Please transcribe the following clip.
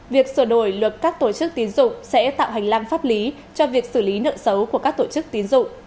việc sửa đổi luật các tổ chức tín dụng sẽ tạo hành lang pháp lý cho việc xử lý nợ xấu của các tổ chức tín dụng